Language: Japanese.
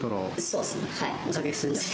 そうですね。